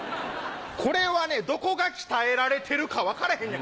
これはねどこが鍛えられてるか分かれへんねん。